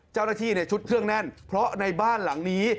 เจ้าหน้าที่ชุดเครื่องแน่นเพราะในบ้านหลังนี้